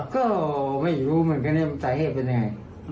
ก็ไม่รู้เหมือนกันว่าสาเหตุเป็นยังไง